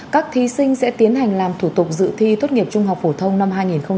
các thí sinh sẽ tiến hành làm thủ tục dự thi tốt nghiệp trung học phổ thông năm hai nghìn hai mươi